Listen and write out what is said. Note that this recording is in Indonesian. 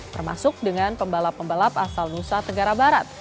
termasuk dengan pembalap pembalap asal nusa tenggara barat